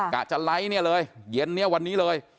กะจะไลค์เนี่ยเลยเย็นเนี่ยวันนี้เลย